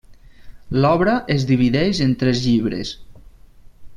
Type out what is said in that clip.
L'obra es divideix en tres llibres.